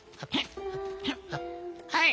はい！